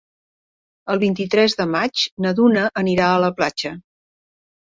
El vint-i-tres de maig na Duna anirà a la platja.